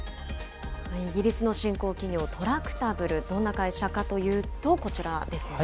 イギリスの新興企業、トラクタブル、どんな会社かというとこちらですね。